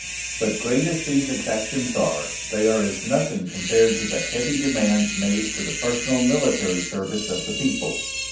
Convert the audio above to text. But great as these exactions are, they are as nothing compared to the heavy demands made for the personal military service of the people.